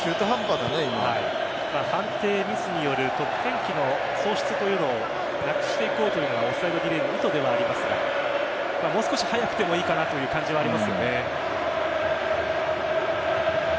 判定ミスによる得点機の喪失というのをなくしていこうというのがオフサイドディレイの意図ではありますがもう少し早くてもいいかなという感じがありますよね。